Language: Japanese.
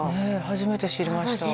初めて知りました